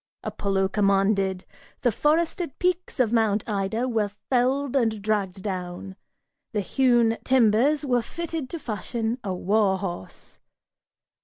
Apollo commanded! The forested peaks of Mount Ida Were felled and dragged down; the hewn timbers were fitted to fashion A war horse.